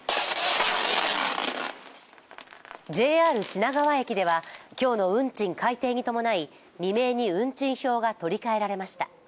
ＪＲ品川駅では今日の運賃改定に伴い未明に運賃表が取り替えられました。